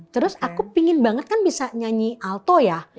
terus aku pingin banget kan bisa nyanyi alto ya